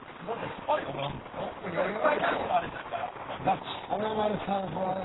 スパイなしのあれですから。